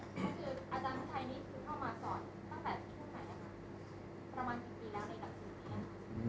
ตัวถูก